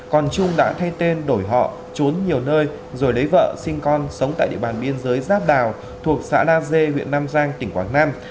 còn trung đã thay tên đổi họ trốn nhiều nơi rồi lấy vợ sinh con sống tại địa bàn biên giới giáp đào thuộc xã la dê huyện nam giang tỉnh quảng nam